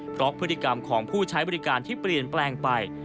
เพราะพฤติกรรมของผู้ใช้บริการที่เปลี่ยนแปลงไป